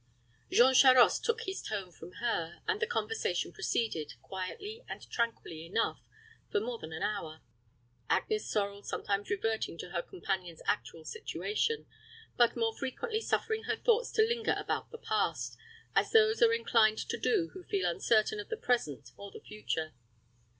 Jean Charost took his tone from her, and the conversation proceeded, quietly and tranquilly enough, for more than an hour, Agnes Sorel sometimes reverting to her companion's actual situation, but more frequently suffering her thoughts to linger about the past, as those are inclined to do who feel uncertain of the present or the future.